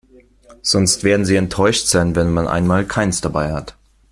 Sonst werden sie enttäuscht sein, wenn man einmal keins dabei hat.